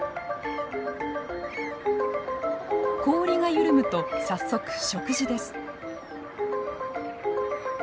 氷が緩むと早速食事です。